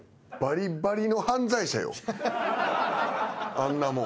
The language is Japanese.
あんなもん。